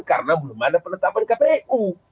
karena belum ada penetapan kpu